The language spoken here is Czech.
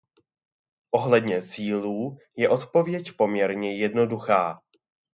Ohledně cílů je odpověď poměrně jednoduchá.